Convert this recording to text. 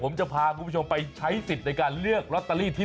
คุณอยากเลือกเบอร์ไหนคุณเลือกหลายเบอร์ก็ได้